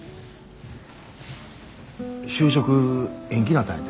就職延期なったんやて？